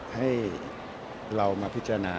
ให้เรามาพิจารณา